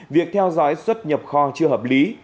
việc theo dõi xuất nhập kho chưa hợp lý